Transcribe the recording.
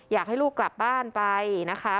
อยากให้ลูกกลับบ้านไปนะคะ